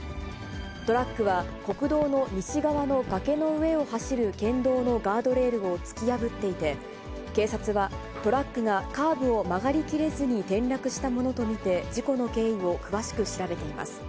トラックは、国道の西側の崖の上を走る県道のガードレールを突き破っていて、警察は、トラックがカーブを曲がりきれずに転落したものと見て、事故の経緯を詳しく調べています。